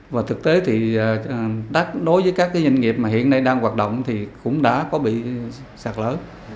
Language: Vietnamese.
và thực tế thì đối với các doanh nghiệp mà hiện nay đang hoạt động thì cũng đã có bị sạt lở